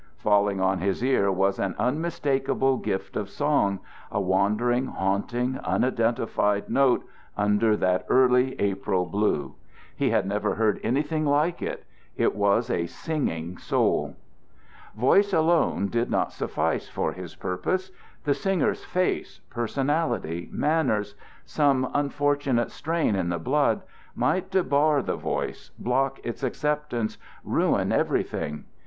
Falling on his ear was an unmistakable gift of song, a wandering, haunting, unidentified note under that early April blue. He had never heard anything like it. It was a singing soul. Voice alone did not suffice for his purpose; the singer's face, personality, manners, some unfortunate strain in the blood, might debar the voice, block its acceptance, ruin everything.